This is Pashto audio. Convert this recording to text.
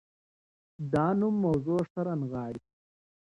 دا نوم موضوع ښه رانغاړي.